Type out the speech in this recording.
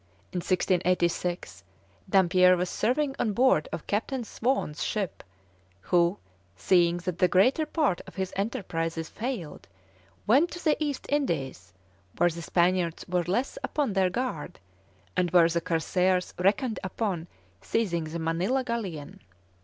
In 1686, Dampier was serving on board of Captain Swan's ship, who, seeing that the greater part of his enterprises failed, went to the East Indies, where the Spaniards were less upon their guard, and where the corsairs reckoned upon seizing the Manilla galleon.